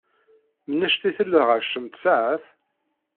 Mennect i tella ɣercemt saɛet?